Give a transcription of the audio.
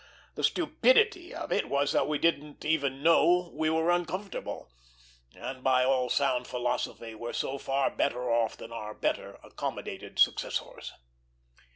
The stupidity of it was that we didn't even know we were uncomfortable, and by all sound philosophy were so far better off than our better accommodated successors.